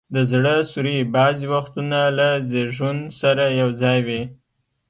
د زړه سوري بعضي وختونه له زیږون سره یو ځای وي.